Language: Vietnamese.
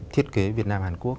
thiết kế việt nam hàn quốc